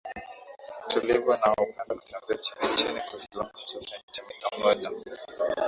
tulivu na hupenda kutembea chini chini kwa kiwango Cha sentimita moja